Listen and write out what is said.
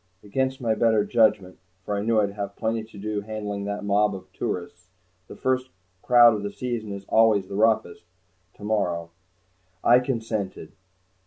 Against my better judgment, for I knew I'd have plenty to do handling that mob of tourists the first crowd of the season is always the roughest tomorrow, I consented.